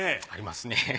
ありますね。